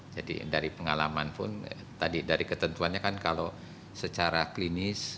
jadi dari pengalaman pun dari ketentuannya kan kalau secara klinis